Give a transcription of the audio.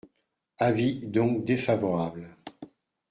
Avis donc défavorable.